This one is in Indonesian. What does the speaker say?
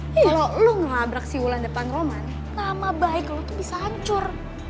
kalo lo ngelabrak si ulan depan roman nama baik lo tuh bisa hancur